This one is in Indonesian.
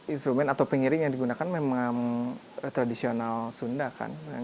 instrumen atau pengiring yang digunakan memang tradisional sunda kan